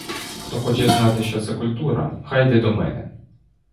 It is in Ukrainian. Хто хоче знати, що це культура, хай іде до мене!